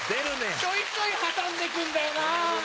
ちょいちょい挟んで来るんだよな。